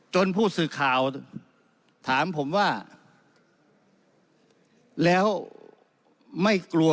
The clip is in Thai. ผู้สื่อข่าวถามผมว่าแล้วไม่กลัว